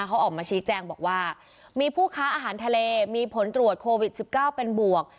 เขาออกมาชี้แจงบอกว่ามีผู้ค้าอาหารทะเลมีผลตรวจโควิด๑๙เป็นบวก